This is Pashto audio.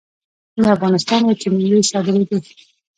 د افغانستان وچې میوې صادرېدې